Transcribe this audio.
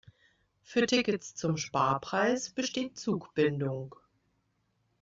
Für Tickets zum Sparpreis besteht Zugbindung.